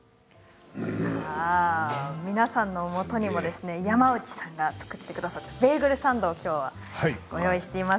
皆さんのもとにも山内さんが作ってくださったベーグルサンドをご用意しています。